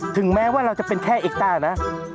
ถึงแม้ว่าเราจะเป็นแค่เอ็กต้านะ